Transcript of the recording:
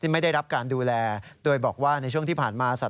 ไม่ได้รับการดูแลโดยบอกว่าในช่วงที่ผ่านมาสัตว